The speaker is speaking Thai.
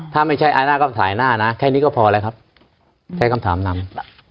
ถ้าไม่ใช่อาน่าก็ถ่ายหน้านะแค่นี้ก็พอแล้วครับใช้คำถามนำ